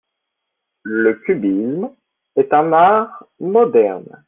Le cubisme est un art moderne.